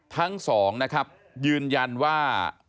ทั้งสองนะครับยืนยันว่า